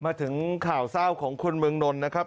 มาถึงข่าวเศร้าของคนเมืองนนท์นะครับ